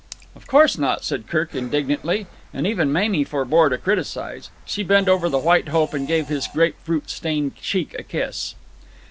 "Of course not," said Kirk indignantly, and even Mamie forbore to criticize. She bent over the White Hope and gave his grapefruit stained cheek a kiss.